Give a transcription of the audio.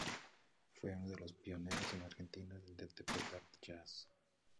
Fue uno de los pioneros en Argentina en interpretar jazz.